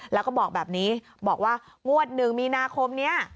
แล้วก็บอกแบบนี้บอกว่างวด๑มีนาคมนี้